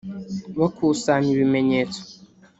bakusanya ibimenyetso